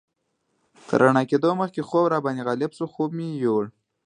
تر رڼا کېدو مخکې خوب راباندې غالب شو، خوب مې یوړ.